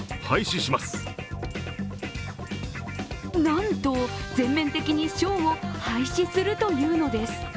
なんと全面的にショーを廃止するというのです。